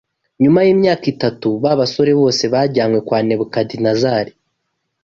Nyuma y’imyaka itatu ba basore bose bajyanywe kwa Nebukadinezari